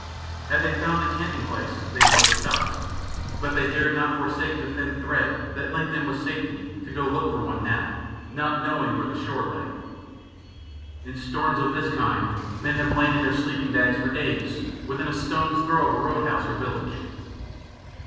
Had they found a camping place they would have stopped, but they dared not forsake the thin thread that linked them with safety to go and look for one, not knowing where the shore lay. In storms of this kind men have lain in their sleeping bags for days within a stone's throw of a road house or village.